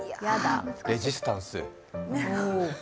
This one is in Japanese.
レジスタンス。